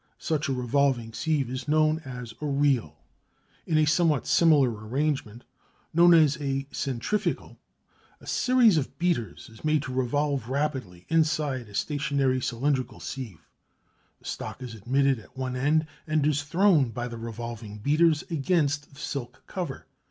Such a revolving sieve is known as a reel. In a somewhat similar arrangement known as a centrifugal a series of beaters is made to revolve rapidly inside a stationary cylindrical sieve. The stock is admitted at one end and is thrown by the revolving beaters against the silk cover.